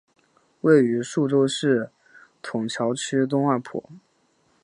位于宿州市埇桥区东二铺。